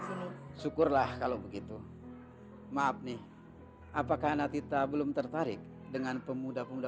sini syukurlah kalau begitu maaf nih apakah natita belum tertarik dengan pemuda pemuda